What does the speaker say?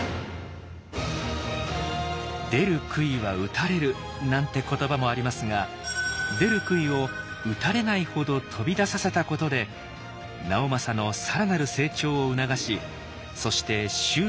「出る杭は打たれる」なんて言葉もありますが出る杭を打たれないほど飛び出させたことで直政の更なる成長を促しそして周囲にも認めさせた家康。